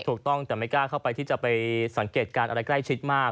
ถูกต้องแต่ไม่กล้าเข้าไปที่จะไปสังเกตการณ์อะไรใกล้ชิดมาก